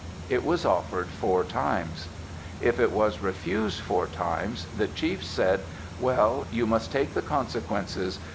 It was offered four times. If it was refused four times, the chief said, "Well, you must take the consequences.